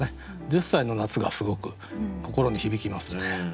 「十歳の夏」がすごく心に響きますね。